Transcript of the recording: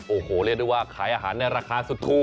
โอ้โหเรียกได้ว่าขายอาหารในราคาสุดถูก